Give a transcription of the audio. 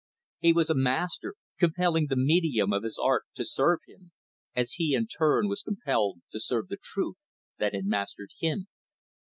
He was a master, compelling the medium of his art to serve him; as he, in turn, was compelled to serve the truth that had mastered him.